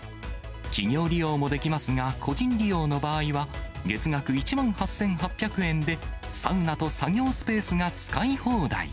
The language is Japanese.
企業利用もできますが、個人利用の場合は、月額１万８８００円でサウナと作業スペースが使い放題。